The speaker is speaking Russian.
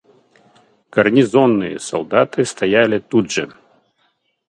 Гарнизонные солдаты стояли тут же.